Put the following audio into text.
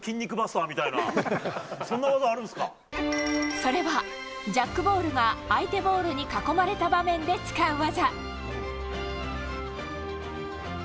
それは、ジャックボールが相手ボールに囲まれた場面で使う技。